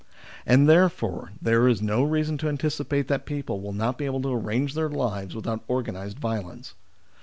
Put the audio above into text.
And, therefore, there is no reason to anticipate that people will not be able to arrange their lives without organised violence.